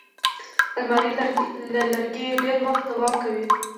الماري له لرګي ډېر وخت دوام کوي